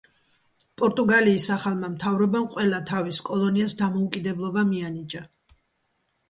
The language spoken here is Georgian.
პორტუგალიის ახალმა მთავრობამ ყველა თავის კოლონიას დამოუკიდებლობა მიანიჭა.